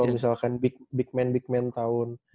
kalau misalkan big men big men tahun